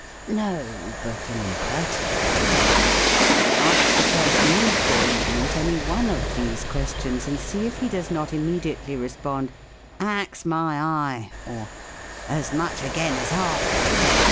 No; but an impertinent one may. Ask the first news boy you meet, any one of these questions, and see if he does not immediately respond, " Ax my eye ;" or, " As much again as half."